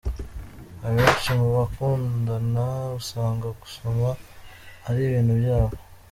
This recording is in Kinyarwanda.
Abenshi mu bakundana usanga gusoma ari ibintu byabo.